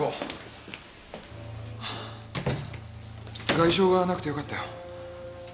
外傷がなくてよかったよ。